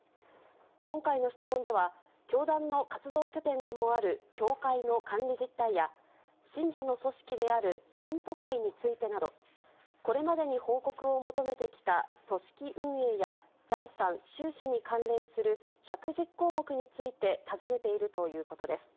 今回の質問では、教団の活動拠点でもある教会の管理実態や、信者の組織である信徒会についてなど、これまでに報告を求めてきた組織運営や、財産、収支に関連する１１０項目について尋ねているということです。